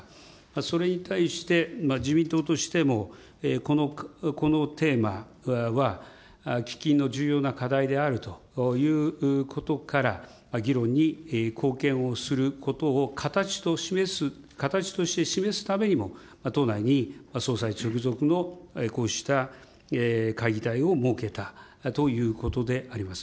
それに対して、自民党としてもこのテーマは、喫緊の重要な課題であるというようなことから、議論に貢献をすることを形として示すためにも、党内に総裁直属のこうした会議体を設けたということであります。